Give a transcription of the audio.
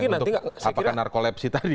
untuk mengapakan narkolepsi tadi